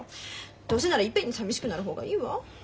どうせならいっぺんにさみしくなる方がいいわ。